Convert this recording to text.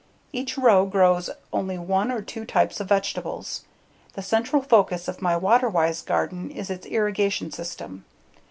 Each row grows only one or two types of vegetables. The central focus of my water wise garden is its irrigation system.